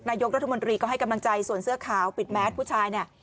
นายกรัฐมนตรีก็ให้กำลังใจส่วนเสื้อขาวปิดแมสผู้ชายเนี่ย